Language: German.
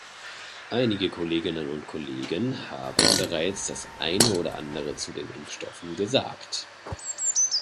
Einige Kolleginnen und Kollegen haben bereits das eine oder andere zu den Impfstoffen gesagt.